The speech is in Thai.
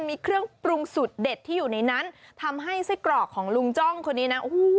มีเครื่องปรุงสูตรเด็ดที่อยู่ในนั้นทำให้ไส้กรอกของลุงจ้องคนนี้นะโอ้โห